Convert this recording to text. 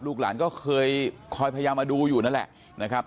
หลานก็เคยคอยพยายามมาดูอยู่นั่นแหละนะครับ